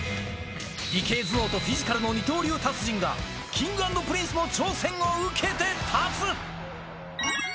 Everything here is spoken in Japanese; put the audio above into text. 理系頭脳とフィジカルの二刀流達人がＫｉｎｇ＆Ｐｒｉｎｃｅの挑戦を受けて立つ。